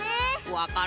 わかる！